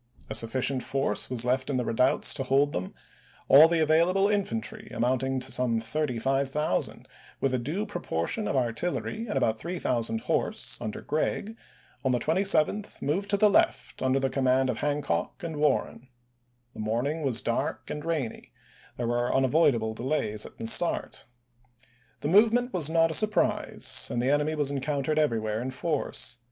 A sufficient force was left in the redoubts to hold them; all the available infantry, amounting to some 35,000, with a due proportion of artillery Ph?™"8, and about 3000 horse, under Gregg, on the 27th Virginia moved to the left under the command of Hancock 0a£r64lgn and Warren. The morning was dark and rainy ; pi 295/ there were unavoidable delays in the start. The movement was not a surprise and the enemy was encountered everywhere in force.